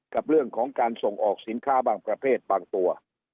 กับเรื่องของการส่งออกสินค้าบางประเภทบางตัว